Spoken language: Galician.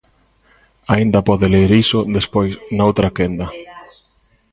Aínda pode ler iso despois, na outra quenda.